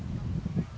lahan tebu usai dipanen